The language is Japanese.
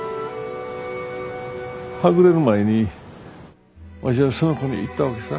はぐれる前にわしはその子に言ったわけさ。